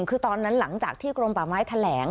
คือตอนนั้นหลังจากที่กรมป่าไม้แถลง